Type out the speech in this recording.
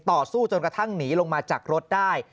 ต่อสู้จนกระทั่งหนีลงมาจากรถได้